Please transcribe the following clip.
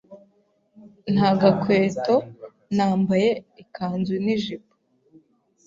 nta gakweto, nambaye ikanzu n’ijipo,